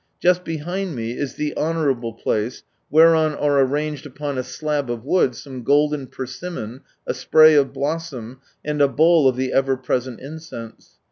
Just behind me is the " honourable place," whereon are arranged upon a slab of wood some golden persimmon, a spray of blossom, and a bowl of the ever present incense.